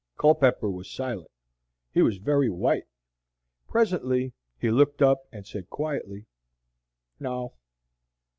Culpepper was silent. He was very white. Presently he looked up and said quietly. "No."